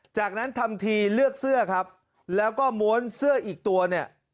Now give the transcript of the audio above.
จากนั้นทำทีเลือกเสื้อครับแล้วก็ม้วนเสื้ออีกตัวเนี่ย